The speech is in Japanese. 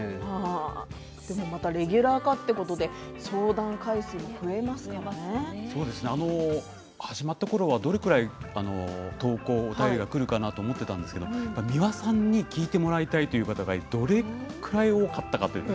でもまたレギュラー化ということで始まったころはどれぐらい、投稿が、お便りがくるかなと思っていたんですが皆さん、聞いてもらいたいっていう方がどれぐらい多かったかと。